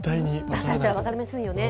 出されたら分かりませんよね。